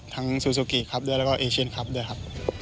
ซูซูกิครับด้วยแล้วก็เอเชียนคลับด้วยครับ